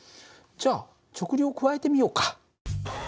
じゃあ直流を加えてみようか。